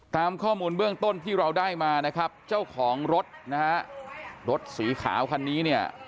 ตามข้อมูลเบื้องต้นที่เราได้มานะครับเจ้าของรถนะฮะรถสีขาวคันนี้เนี่ย